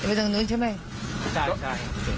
ทำไปทางนู้นใช่ไหมใช่ครับ